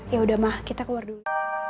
yaudah ma kita keluar dulu